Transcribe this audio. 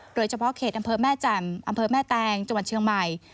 โดยเฉพาะเขตอำเภอแม่แจ่มอำเภอแม่แตงจังหวัดเชียงใหม่